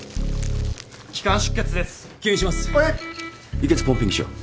輸血ポンピングしよう。